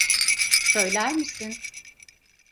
Söyler misin?